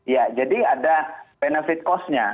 ya jadi ada benefit costnya